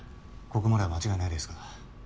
ここまでは間違いないですか？